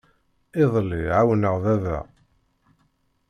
Iḍelli ɛawneɣ baba.